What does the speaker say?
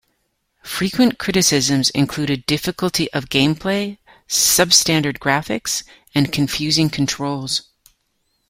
Frequent criticisms included difficulty of gameplay, substandard graphics and confusing controls.